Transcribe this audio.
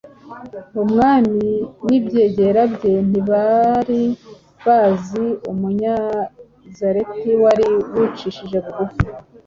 Umwami n’ibyegera bye ntibari bazi Umunyazareti wari wicishije bugufi